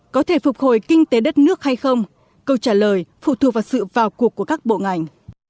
có thể phục hồi kinh tế đất nước hay không câu trả lời phụ thuộc vào sự vào cuộc của các bộ ngành